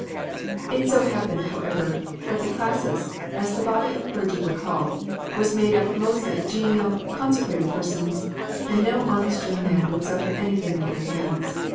It so happened, however, that the Classis, as the body of clergy were called, was made up mostly of genial, consecrated persons, and no honest young man would suffer anything at their hands.